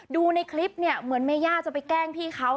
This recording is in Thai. ดูในคลิปเนี่ยเหมือนเมย่าจะไปแกล้งพี่เขา